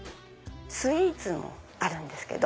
スイーツもあるんですけど。